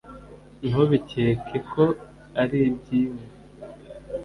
ntubikeke ko ari iby’imwe!